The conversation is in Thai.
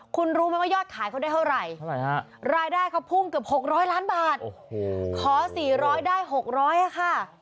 คุณรู้ไหมว่ายอดขายเขาได้เท่าไหร่รายได้เขาพุ่งเกือบ๖๐๐ล้านบาทขอ๔๐๐ได้๖๐๐ค่ะ